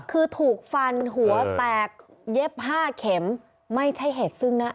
คือถูกฟันหัวแตกเย็บห้าเข็มไม่ใช่เหตุซึ่งนะ